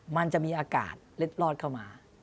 มันจะมีอากาศเล็ดลอดเข้ามา